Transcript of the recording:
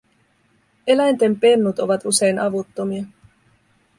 Eläinten pennut ovat usein avuttomia.